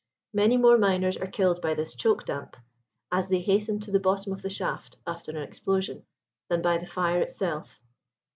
Many more miners are killed by this choke damp, as they hasten to the bottom of the shaft after an explosion, than by the fire itself.